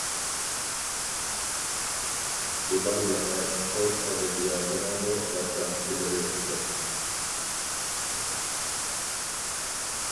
بۇلار يەنە تور ئەدەبىياتىنىڭمۇ باشلامچىلىرى ئىكەن.